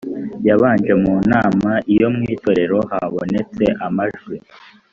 y abaje mu nama iyo mu itora habonetse amajwi